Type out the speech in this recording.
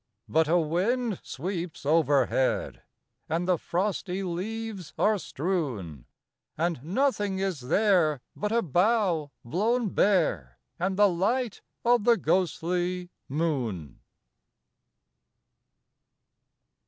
But a wind sweeps overhead, And the frosty leaves are strewn And nothing is there but a bough, blown bare, And the light of the ghostly moon.